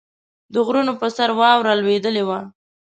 د غرونو پر سر واوره لوېدلې وه.